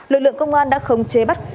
lực lượng công an đã không chế bắt